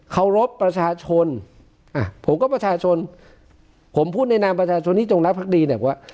เคารพประชาชนผมก็ประชาชนผมพูดในนามประชาชนที่จงรับภาคดี